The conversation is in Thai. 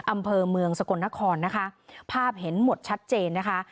อำเภอเมืองสกลนครนะคะภาพเห็นหมดชัดเจนนะคะ